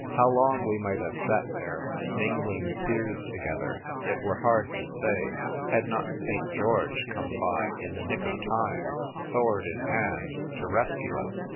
How long we might have sat there, ming ling tears together, it were hard to say — had not St. George come by, in the nick of time, sword in hand, to rescue us.